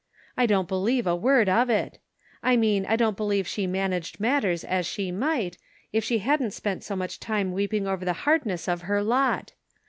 I don't believe a word of it. I mean I don't believe she managed matters as she might, if she hadn't spent so much time weeping over the hardness of her lot.